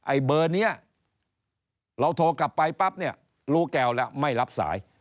ไอเบอร์นี้เราโทรกลับไปปั๊บเนี่ยรู้แก้วแล้วไม่รับสาย